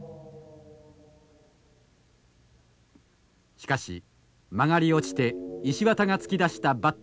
しかし曲がり落ちて石渡が突き出したバットの下をくぐる。